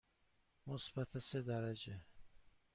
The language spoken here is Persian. مثبت سه درجه.